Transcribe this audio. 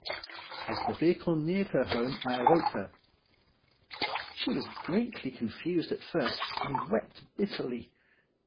As the vehicle neared her home I awoke her. She was greatly confused at first, and wept bitterly.